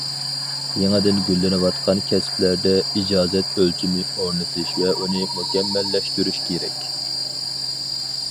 يېڭىدىن گۈللىنىۋاتقان كەسىپلەردە ئىجازەت ئۆلچىمى ئورنىتىش ۋە ئۇنى مۇكەممەللەشتۈرۈش كېرەك.